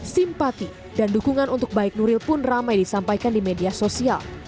simpati dan dukungan untuk baik nuril pun ramai disampaikan di media sosial